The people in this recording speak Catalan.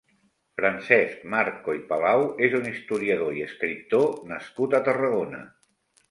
Francesc Marco i Palau és un historiador i escriptor nascut a Tarragona.